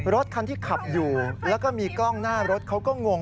รถคันที่ขับอยู่แล้วก็มีกล้องหน้ารถเขาก็งง